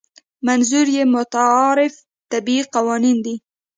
منظور یې متعارف طبیعي قوانین دي.